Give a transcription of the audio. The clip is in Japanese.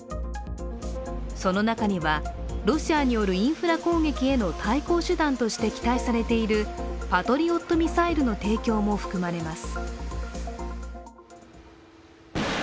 その中には、ロシアによるインフラ攻撃への対抗手段として期待されているパトリオットミサイルの提供も含まれます。